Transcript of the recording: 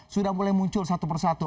sudah mulai muncul satu persatu